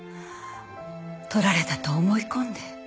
盗られたと思い込んで。